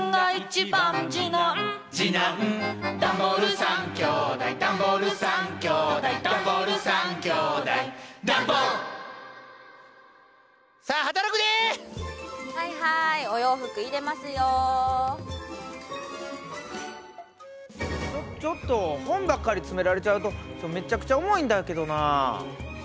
ちょっちょっと本ばっかり詰められちゃうとめっちゃくちゃ重いんだけどなあ。